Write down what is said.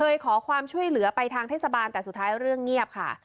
ขอความช่วยเหลือไปทางเทศบาลแต่สุดท้ายเรื่องเงียบค่ะ